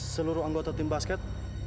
seluruh anggota tim basket